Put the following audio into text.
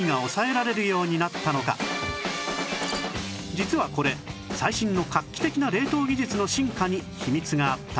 実はこれ最新の画期的な冷凍技術の進化に秘密があったんです